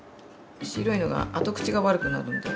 白いのが後口が悪くなるんで。